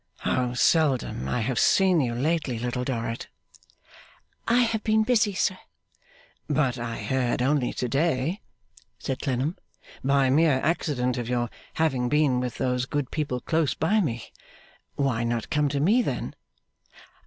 'How seldom I have seen you lately, Little Dorrit!' 'I have been busy, sir.' 'But I heard only to day,' said Clennam, 'by mere accident, of your having been with those good people close by me. Why not come to me, then?